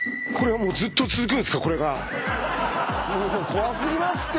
怖過ぎますって。